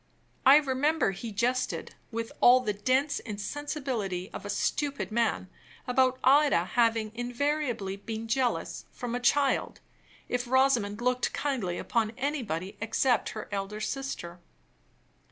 I remember he jested, with all the dense insensibility of a stupid man, about Ida having invariably been jealous, from a child, if Rosamond looked kindly upon anybody except her elder sister.